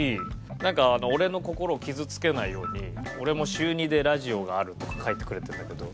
なんか俺の心を傷つけないように俺も週２でラジオがあるとか書いてくれてるんだけど。